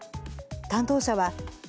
担当者は。